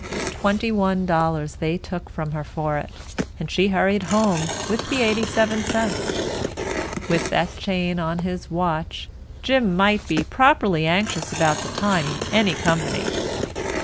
Twenty one dollars they took from her for it, and she hurried home with the 87 cents. With that chain on his watch Jim might be properly anxious about the time in any company.